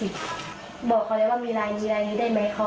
ใช่ไม่ได้ขายเพื่อเอาเงินไปทำเด็กอื่น